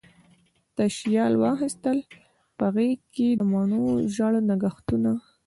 تشیال واخیستل په غیږکې، د مڼو ژړ نګهتونه